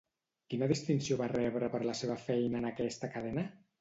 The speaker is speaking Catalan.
Quina distinció va rebre per la seva feina en aquesta cadena?